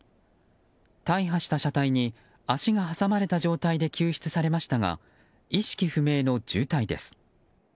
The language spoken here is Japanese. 大破した車体に足が挟まれた状態で救出されましたが意識不明の重体です。